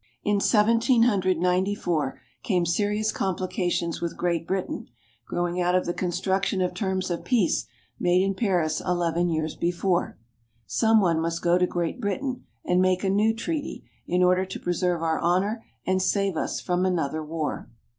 In Seventeen Hundred Ninety four, came serious complications with Great Britain, growing out of the construction of terms of peace made in Paris eleven years before. Some one must go to Great Britain and make a new treaty in order to preserve our honor and save us from another war.